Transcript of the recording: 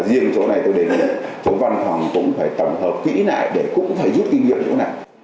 riêng chỗ này tôi đề nghị chỗ văn hóa cũng phải tổng hợp kỹ nại để cũng phải giúp tìm hiểu chỗ này